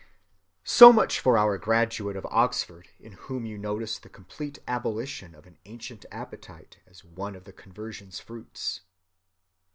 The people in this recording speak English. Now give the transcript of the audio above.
So much for our graduate of Oxford, in whom you notice the complete abolition of an ancient appetite as one of the conversion's fruits.